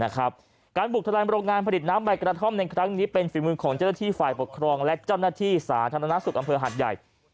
การบุกทะลายโรงงานผลิตน้ำใบกระท่อมในครั้งนี้เป็นฝีมือของเจ้าหน้าที่ฝ่ายปกครองและเจ้าหน้าที่สาธารณสุขอำเภอหัดใหญ่